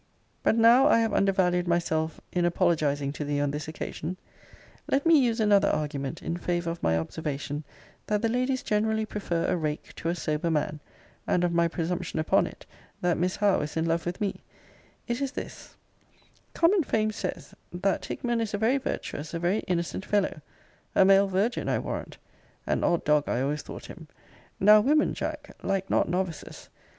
But now I have undervalued myself, in apologizing to thee on this occasion, let me use another argument in favour of my observation, that the ladies generally prefer a rake to a sober man; and of my presumption upon it, that Miss Howe is in love with me: it is this: common fame says, That Hickman is a very virtuous, a very innocent fellow a male virgin, I warrant! An odd dog I always thought him. Now women, Jack, like not novices.